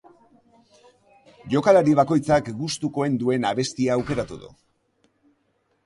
Jokalari bakoitzak gustukoen duen abestia aukeratu du.